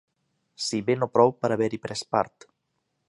Si bé no prou per haver-hi pres part.